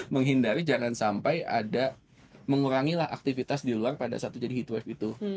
menghindari jangan sampai ada mengurangilah aktivitas di luar pada saat itu jadi heatwave itu